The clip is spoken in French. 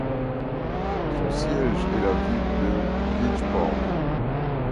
Son siège est la ville de Bridgeport.